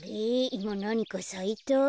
いまなにかさいた？